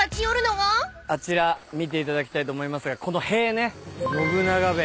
あちら見ていただきたいと思いますがこの塀ね。